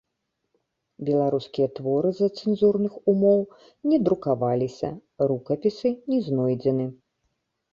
Беларускія творы з-за цэнзурных умоў не друкаваліся, рукапісы не знойдзены.